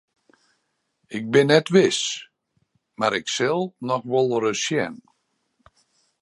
Ik bin net wis mar ik sil noch wolris sjen.